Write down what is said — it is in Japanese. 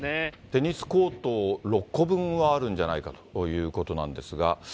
テニスコート６個分はあるんじゃないかということなんですが。